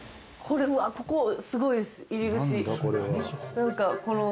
ここすごい、入り口。